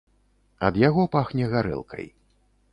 Ад яго пахне гарэлкай.